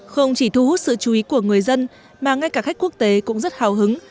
không chỉ thu hút sự chú ý của người dân mà ngay cả khách quốc tế cũng rất hào hứng